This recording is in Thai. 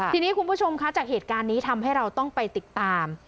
ทีนี้คุณผู้ชมคะจากเหตุการณ์นี้ทำให้เราต้องไปติดตาม